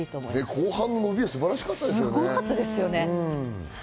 後半の伸び、素晴らしかったですね。